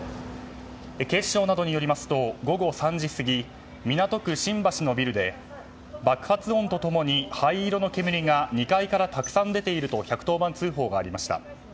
警視庁などによりますと午後３時過ぎ港区新橋のビルで爆発音と共に灰色の煙が２階からたくさん出ていると１１０番通報がありました。